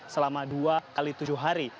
selama dua x tujuh hari